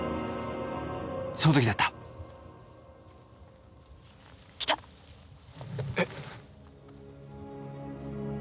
その時だったえっ？